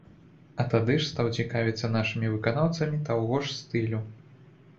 А тады стаў цікавіцца нашымі выканаўцамі таго ж стылю.